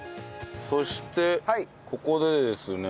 そしてここでですね